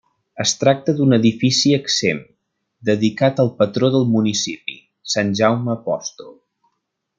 Es tracta d'un edifici exempt, dedicat al patró del municipi, Sant Jaume Apòstol.